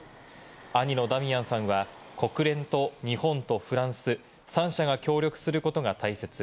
兄のダミアンさんは国連と日本とフランス、３者が協力することが大切。